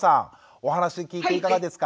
お話聞いていかがですか？